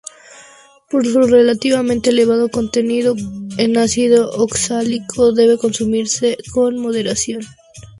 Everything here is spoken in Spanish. Por su relativamente elevado contenido en ácido oxálico, debe consumirse con moderación.